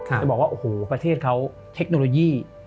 จะบอกว่าโอ้โหประเทศเขาเทคโนโลยี